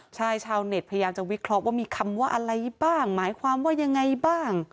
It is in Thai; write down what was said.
ใช่ชาวเน็ตพยายามจะวิเคราะห์ว่ามีคำว่าอะไรบ้างหมายความว่ายังไงบ้าง